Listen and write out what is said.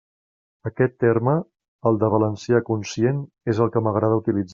Aquest terme, el de «valencià conscient» és el que m'agrada utilitzar.